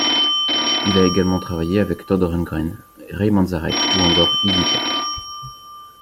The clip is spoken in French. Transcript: Il a également travaillé avec Todd Rundgren, Ray Manzarek, ou encore Iggy Pop.